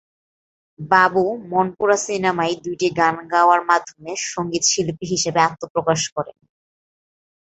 বাবু "মনপুরা" সিনেমায় দুইটি গান গাওয়ার মাধ্যমে সঙ্গীতশিল্পী হিসেবে আত্মপ্রকাশ করেন।